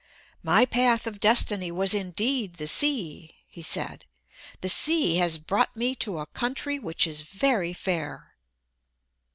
"My path of Destiny was indeed the sea," he said. "The sea has brought me to a country which is very fair."